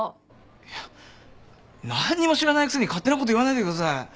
いや何にも知らないくせに勝手なこと言わないでください。